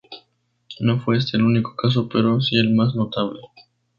No fue este el único caso, pero sí el más notable.